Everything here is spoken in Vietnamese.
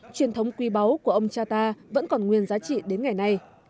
truyền thống quý báu của ông cha ta vẫn còn nguyên giá trị đến ngày nay